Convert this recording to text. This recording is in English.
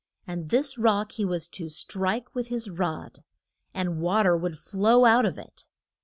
And this rock he was to strike with his rod, and wa ter would flow out of it.